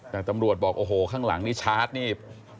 แต่ตำรวจบอกโอ้โหข้างหลังนี่ชาร์จนี่